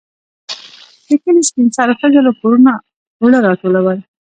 د کلي سپين سرو ښځو له کورونو اوړه راټولول.